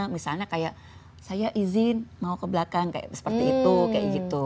misalnya kayak saya izin mau ke belakang seperti itu kayak gitu